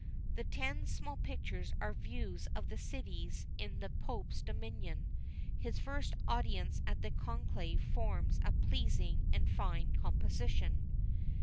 The ten small pictures are views of the cities in the pope's dominion. His first audience at the conclave forms a pleasing and fine composition.